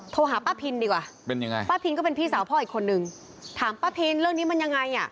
โทรหาป้าพินดีกว่าเป็นยังไงป้าพินก็เป็นพี่สาวพ่ออีกคนนึงถามป้าพินเรื่องนี้มันยังไงอ่ะ